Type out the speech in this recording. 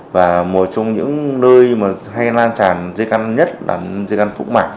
và một trong những nơi hay lan tràn dây căn nhất là dây căn phúc mạc